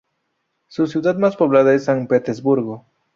Su ciudad más poblada es San Petersburgo.